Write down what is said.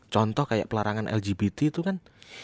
contoh kayak pelarangan lgbt itu kan